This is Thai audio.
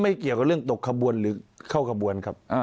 เกี่ยวกับเรื่องตกขบวนหรือเข้าขบวนครับ